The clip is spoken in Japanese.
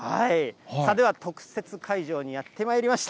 では、特設会場にやってまいりました。